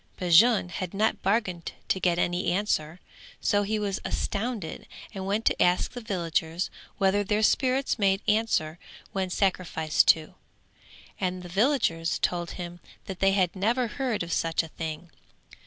Bajun had not bargained to get any answer, so he was astounded and went to ask the villagers whether their spirits made answer when sacrificed to: and the villagers told him that they had never heard of such a thing.